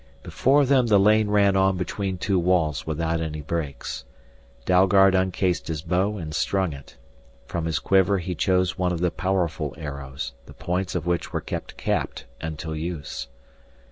Before them the lane ran on between two walls without any breaks. Dalgard uncased his bow and strung it. From his quiver he chose one of the powerful arrows, the points of which were kept capped until use.